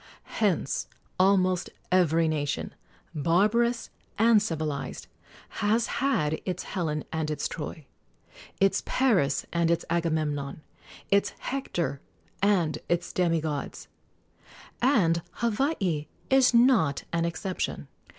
Hence almost every nation, barbarous and civilized, has had its Helen and its Troy, its Paris and its Agamemnon, its Hector and its demi gods; and Hawaii is not an exception.